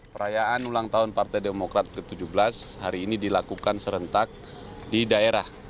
perayaan ulang tahun partai demokrat ke tujuh belas hari ini dilakukan serentak di daerah